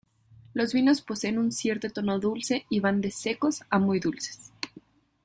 Los vinos poseen un cierto tono dulce y van de secos a muy dulces.